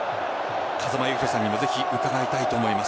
風間八宏さんにもぜひ伺いたいと思います。